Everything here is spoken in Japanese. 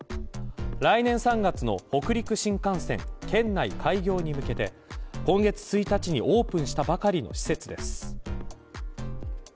来年３月の北陸新幹線県内開業に向けて今月１日にオープンしたばかりの施設です。